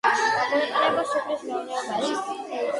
გამოიყენება სოფლის მეურნეობაში.